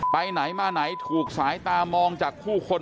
ไปไหนมาไหนถูกสายตามองจากผู้คน